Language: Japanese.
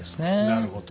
なるほど。